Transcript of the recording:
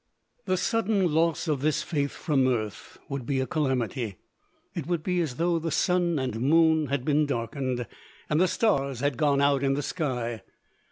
The sudden loss of this faith from earth would be a calamity. It would be as though the sun and moon had been darkened, and the stars had gone out in the sky.